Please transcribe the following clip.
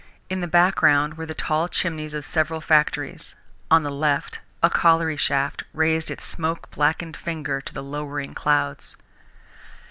In the background were the tall chimneys of several factories; on the left, a colliery shaft raised its smoke blackened finger to the lowering clouds.